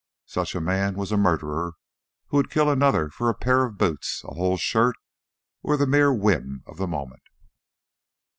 Such a man was a murderer who would kill another for a pair of boots, a whole shirt, or the mere whim of the moment.